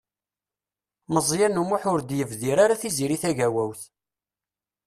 Meẓyan U Muḥ ur d-yebdir ara Tiziri Tagawawt.